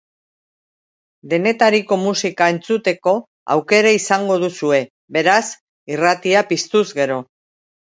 Denetariko musika entzuteko aukera izango duzue, beraz, irratia piztuz gero.